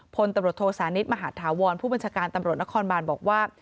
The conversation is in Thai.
พลตำรวจโทสานิทมหาธาวรผู้บัญชาการตำรวจนครบานบอกว่า